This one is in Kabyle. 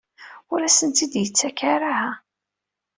Ur asen-tt-id-yettak ara?